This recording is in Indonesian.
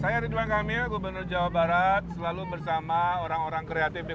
saya ridwan kamil gubernur jawa barat selalu bersama orang orang kreatif di